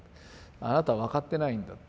あなた分かってないんだ。